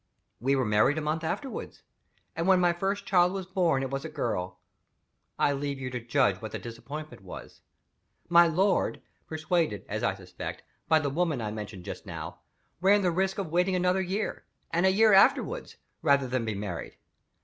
We were married a month afterward and when my first child was born it was a girl. I leave you to judge what the disappointment was! My lord (persuaded, as I suspect, by the woman I mentioned just now) ran the risk of waiting another year, and a year afterward, rather than be married.